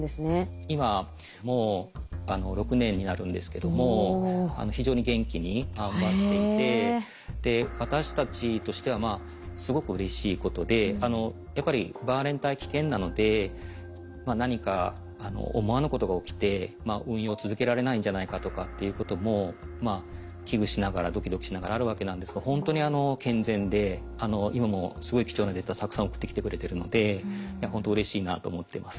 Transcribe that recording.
今もう６年になるんですけども非常に元気に頑張っていてで私たちとしてはすごくうれしいことでやっぱりバンアレン帯危険なので何か思わぬことが起きて運用を続けられないんじゃないかとかっていうことも危惧しながらドキドキしながらあるわけなんですがほんとに健全で今もすごい貴重なデータたくさん送ってきてくれてるのでほんとうれしいなと思っています。